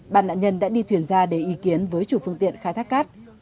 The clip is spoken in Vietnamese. bàn nạn nhân đã đi thuyền ra để ý kiến với chủ phương tiện khai thác cát